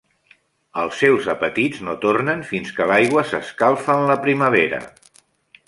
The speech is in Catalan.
Els seus apetits no tornen fins que l'aigua s'escalfa en la primavera.